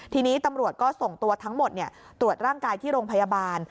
ทีนี้ตำรวจก็ส่งตัวทั้งหมดตรวจร่างกายที่โรงพยาบาล